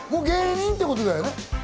芸人ってことだよね。